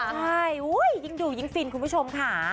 ใช่อุ้ยยังดูยังฟินคุณผู้ชมค่า